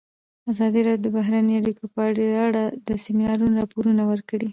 ازادي راډیو د بهرنۍ اړیکې په اړه د سیمینارونو راپورونه ورکړي.